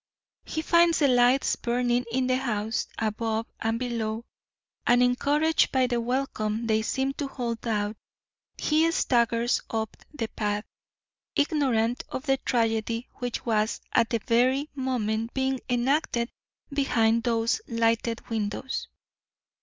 He finds the lights burning in the house above and below, and encouraged by the welcome they seem to hold out, he staggers up the path, ignorant of the tragedy which was at that very moment being enacted behind those lighted windows.